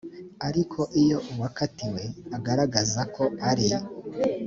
ariko iyo uwakatiwe agaragaza ko ari